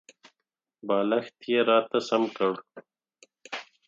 بالښت یې راته سم کړ .